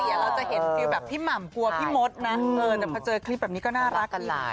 เดี๋ยวเราจะเห็นฟิลแบบพี่หม่ำกลัวพี่มดนะแต่พอเจอคลิปแบบนี้ก็น่ารักกันแหละ